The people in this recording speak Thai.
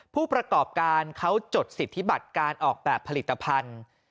ผู้ประกอบการเขาจดสิทธิบัติการออกแบบผลิตภัณฑ์